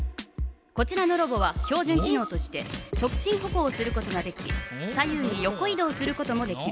こちらのロボは標じゅん機のうとして直進歩行をすることができ左右に横い動することもできる。